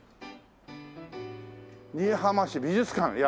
「新居浜市美術館」。